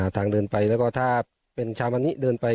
ทางเดินไปแล้วก็ถ้าเป็นชาวมะนิเดินไป